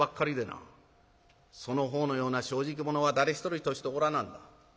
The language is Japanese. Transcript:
その方のような正直者は誰一人としておらなんだ。